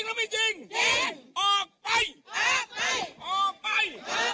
ออกไป